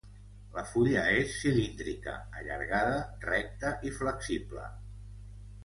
La fulla és cilíndrica, allargada, recta i flexible.